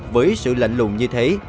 với sự lạnh lùng như thế